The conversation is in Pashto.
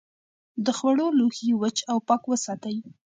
د خوړو لوښي وچ او پاک وساتئ.